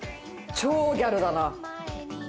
超ギャルだな。